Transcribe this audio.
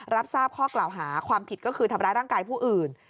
รับทราบข้อกล่าวหาความผิดก็คือทำร้ายร่างกายผู้อื่น